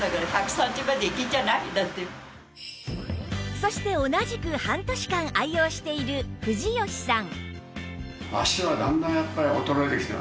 そして同じく半年間愛用している藤好さん